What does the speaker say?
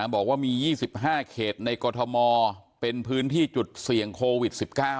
บอกว่ามี๒๕เขตในกรทมเป็นพื้นที่จุดเสี่ยงโควิด๑๙